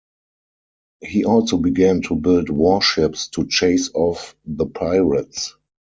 He also began to build warships to chase off the pirates.